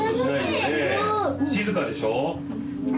静かでしょう。